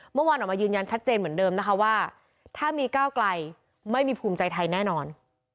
เมื่อวานออกมายืนยันชัดเจนเหมือนเดิมนะคะว่าถ้ามีก้าวไกลไม่มีภูมิใจไทยแน่นอน